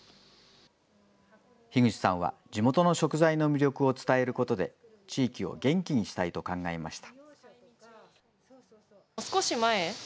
樋口さんは地元の食材の魅力を伝えることで、地域を元気にしたいと考えました。